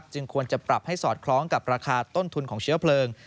จึงควรจะปรับให้สอดคล้องกับราคาต้นทุนของเชื้อเพลิง